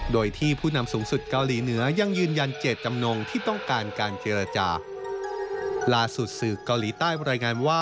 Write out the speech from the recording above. โดยที่ผู้นำสูงสุดเกาหลีเหนือยังยืนยัน